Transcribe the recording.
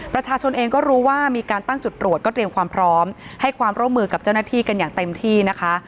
ประชาชนเองก็รู้ว่ามีการตั้งจุดตรวจก็เตรียมความพร้อมให้ความร่วมมือกับเจ้าหน้าที่กันอย่างเต็มที่นะคะ